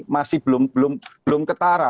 masih belum ketara